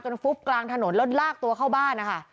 ฟุบกลางถนนแล้วลากตัวเข้าบ้านนะคะ